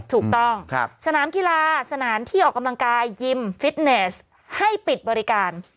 สนามกีฬาสถานที่ออกกำลังกายยิมฟิตเนสให้ปิดบริการ